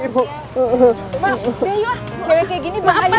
maaf ya kita mau pergi